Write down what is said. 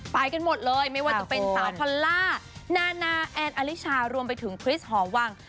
ไปกันหมดเลยไม่ว่าจะเป็นสาวพอลล่านานาแอนอลิชารวมไปถึงคริสหอวัง